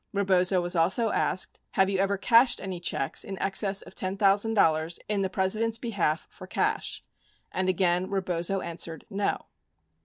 Rebozo was also asked, "Have you ever cashed any checks in excess of $10,000 in the President's behalf for cash?" and again Rebozo answered "No."